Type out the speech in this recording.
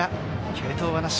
継投はなし。